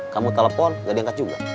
kamu telepon gak diangkat juga